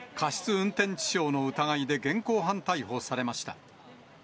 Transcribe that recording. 運転致傷の疑いで現行犯逮捕されました。